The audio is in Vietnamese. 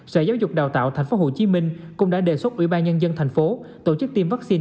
sở giáo dục đào tạo tp hcm cũng đã đề xuất ủy ban nhân dân thành phố tổ chức tiêm vaccine